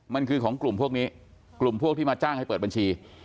มันคือของกลุ่มพวกนี้กลุ่มพวกที่มาจ้างให้เปิดบัญชี